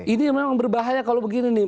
ini memang berbahaya kalau begini nih